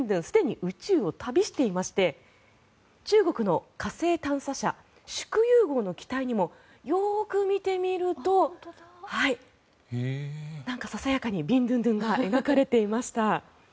すでに宇宙を旅していまして中国の火星探査車、祝融号の機体にもよく見てみるとなんか、ささやかにビンドゥンドゥンが描かれていました。